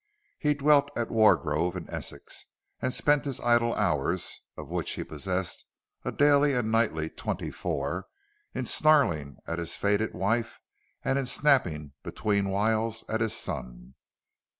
He dwelt at Wargrove in Essex and spent his idle hours of which he possessed a daily and nightly twenty four in snarling at his faded wife and in snapping between whiles at his son.